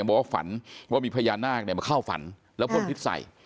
บอกว่าฝันว่ามีพระอยาหน้ามาเข้าฝันแล้วพ่นนิดใส